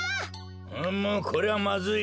うむこれはまずい。